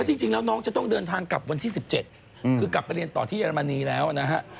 จริงแล้วน้องจะต้องเดินทางกลับวันที่๑๗คือกลับไปเรียนต่อที่เยอรมนีแล้วนะฮะ